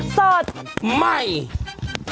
ต้องการล่ะ